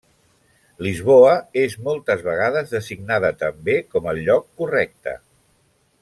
Lisboa és moltes vegades designada també com el lloc correcte.